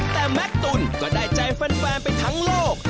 แต่แม็กตุลก็ได้ใจแฟนไปทั้งโลก